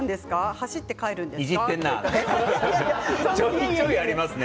走って帰るんですか？